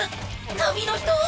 旅の人！